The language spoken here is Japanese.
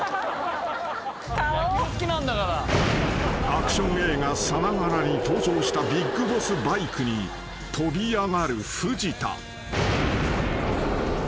・［アクション映画さながらに登場したＢＩＧＢＯＳＳバイクに飛び上がる藤田］